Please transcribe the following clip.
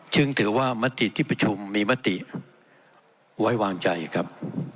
ถือว่ามติที่ประชุมมีมติไว้วางใจครับ